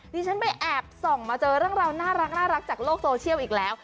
ดิฉันไปแอบส่องมาเจอเรื่องราวน่ารักจากโลกโซเชียลอีกแล้ว